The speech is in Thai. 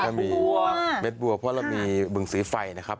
จริงก็มีอีกหลายอย่างนะแม็ดบัวเพราะเรามีบึงสีไฟนะครับ